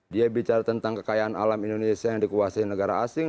dia bicara tentang kekayaan alam indonesia yang dikuasai negara asing